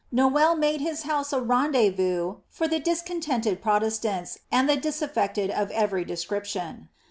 Noailles made his house a rendezvous for the discontented Protestants and the disaffected of every description.